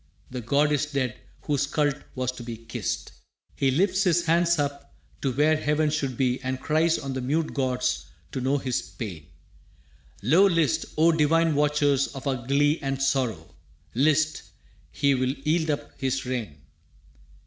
The god is dead whose cult was to be kissed! He lifts his hand up to where heaven should be And cries on the mute gods to know his pain. Lo, list!, o divine watchers of our glee And sorrow!, list!, he will yield up his reign.